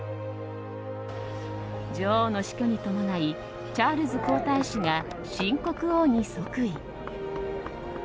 女王の死去に伴いチャールズ皇太子が新国王に即位。